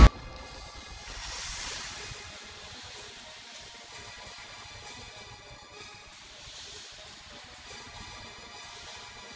aku gak boleh